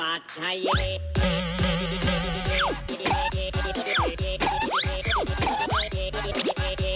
อาจใช่